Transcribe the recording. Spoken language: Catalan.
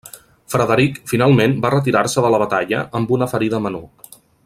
Frederic finalment va retirar-se de la batalla amb una ferida menor.